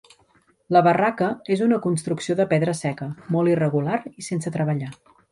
La barraca és una construcció de pedra seca, molt irregular i sense treballar.